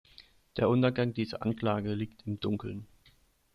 Der Untergang dieser Anlage liegt im Dunkeln.